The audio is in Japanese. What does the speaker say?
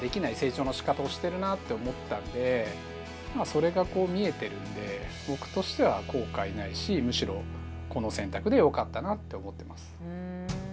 それが見えてるので僕としては後悔ないしむしろこの選択でよかったなって思ってます。